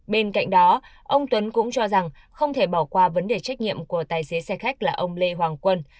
bên cạnh đó ông tuấn cũng cho rằng không thể bỏ qua vấn đề trách nhiệm của tài xế xe khách là ông lê hoàng quân